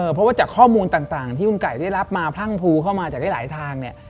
เพราะว่าจากข้อมูลต่างที่คุณไก่ได้รับมาพรั่งพูเข้ามาจากได้หลายทางเนี่ย